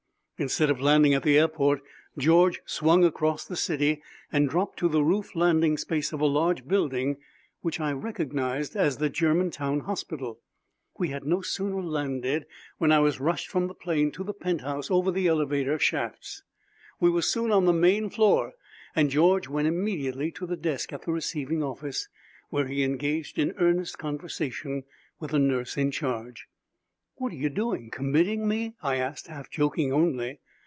Instead of landing at the airport, George swung across the city and dropped to the roof landing space of a large building which I recognized as the Germantown Hospital. We had no sooner landed when I was rushed from the plane to the penthouse over the elevator shafts. We were soon on the main floor and George went immediately to the desk at the receiving office, where he engaged in earnest conversation with the nurse in charge. "What are you doing committing me?" I asked, half joking only.